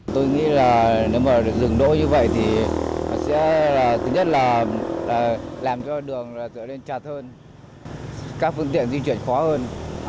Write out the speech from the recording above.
tôi nghĩ là nếu mà được dừng đỗ như vậy thì sẽ là thứ nhất là làm cho đường trở nên trà hơn các phương tiện di chuyển khó hơn